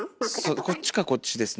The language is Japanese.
こっちかこっちですね。